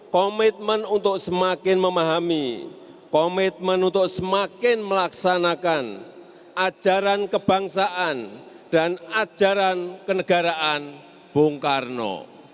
komitmen untuk semakin memahami komitmen untuk semakin melaksanakan ajaran kebangsaan dan ajaran kenegaraan bung karno